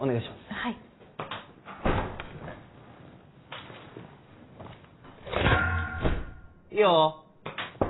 はいいいよ